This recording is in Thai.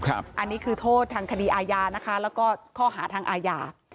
อันนี้คือโทษทางคดีอาญานะคะแล้วก็ข้อหาทางอาญา